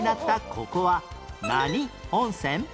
ここは何温泉？